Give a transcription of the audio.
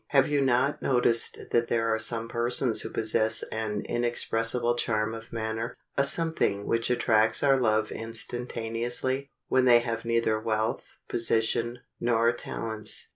Have you not noticed that there are some persons who possess an inexpressible charm of manner—a something which attracts our love instantaneously, when they have neither wealth, position, nor talents?